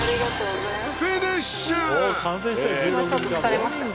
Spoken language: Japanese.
フィニッシュ！